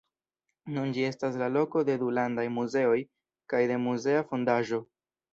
Nun ĝi estas la loko de du landaj muzeoj, kaj de muzea fondaĵo.